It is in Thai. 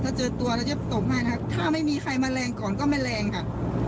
ถ้าเจอตัวแล้วจะตบให้นะครับถ้าไม่มีใครแม้แลงก่อนก็แม้แลงค่ะ